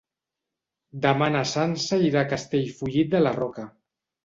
Demà na Sança irà a Castellfollit de la Roca.